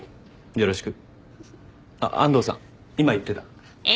よろしく。